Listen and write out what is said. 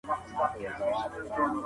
دا مېوه تر نورو مېوو ډېر ویټامین سي لري.